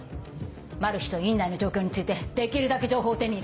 マル被と院内の状況についてできるだけ情報を手に入れて。